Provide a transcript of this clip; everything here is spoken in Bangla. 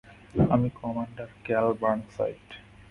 আমি কমান্ডার ক্যাল বার্নসাইড।